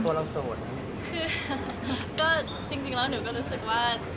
ก็จริงแล้วหนูก็รู้สึกว่า